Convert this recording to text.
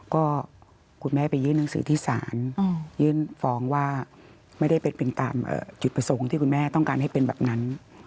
ก็คุณแม่ไปยื่นหนังสือที่ศาลยื่นฟ้องว่าไม่ได้เป็นตามจุดประสงค์ที่คุณแม่ต้องการให้เป็นแบบนั้น